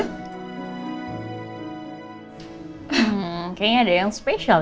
hmm kayaknya ada yang spesial